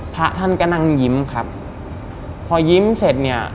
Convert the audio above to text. พระท่านก็นั่งยิ้มครับพอยิ้มเสร็จเนี่ย